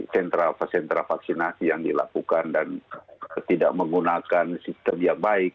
sentra apa sentra vaksinasi yang dilakukan dan tidak menggunakan sistem yang baik